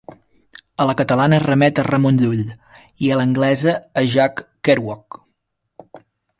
A la catalana remet a Ramon Llull i a l'anglesa a Jack Kerouac.